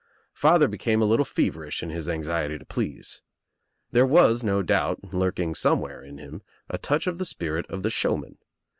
Father became a little feverish in his anxiety to please. There was no doubt, lurking somewhere in him, a touch of the spirit of the showman.